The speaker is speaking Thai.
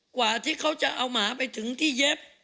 กว่าที่เขาจะเอาหมาไปถึงที่เย็บ